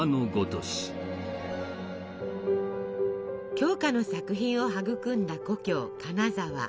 鏡花の作品を育んだ故郷金沢。